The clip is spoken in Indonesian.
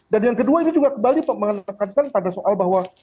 dan yang kedua ini juga kembali mengatakan pada soal bahwa